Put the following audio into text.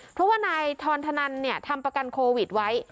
เพราะว่านายทรธนันทำประกันโควิดไว้